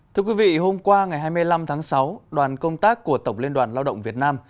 thưa quý vị hôm qua ngày hai mươi năm tháng sáu đoàn công tác của tổng liên đoàn lao động việt nam